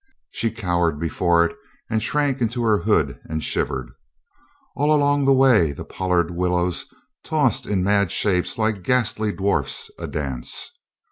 She cowered before it and shrank into her hood and shivered. All along the way the pollard willows tossed in mad shapes like ghastly dwarfs adance.